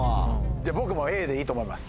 じゃ僕もＡでいいと思います。